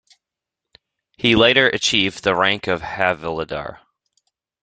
He later achieved the rank of Havildar.